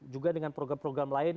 juga dengan program program lain